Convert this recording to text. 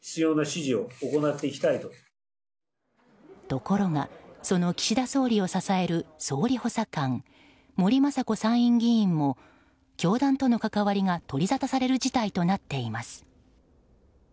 ところがその岸田総理を支える総理補佐官森雅子参院議員も教団との関わりが取りざたされる事態となっています。